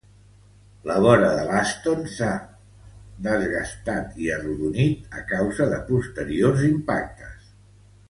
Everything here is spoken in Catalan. La vora de l'Aston s'ha desgastada i arredonida a causa de posteriors impactes.